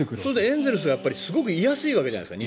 エンゼルスにすごくいやすいわけじゃないですか。